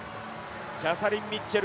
キャサリン・ミッチェル。